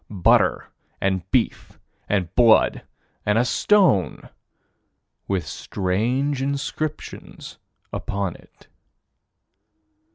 Butter and beef and blood and a stone with strange inscriptions upon it.